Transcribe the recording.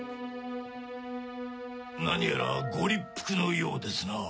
何やらご立腹のようですな。